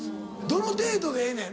どの程度でええねん？